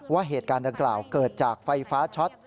ว่าเหตุการณ์ดังกล่าวเกิดจากไฟฟ้าช็อต